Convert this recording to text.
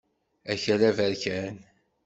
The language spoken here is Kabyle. Akal aberkan.